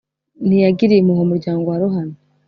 Ntiyagiriye impuhwe umuryango warohamye,